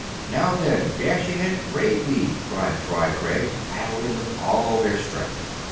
"Now, then, dash ahead bravely!" cried Fry Craig, paddling with all their strength.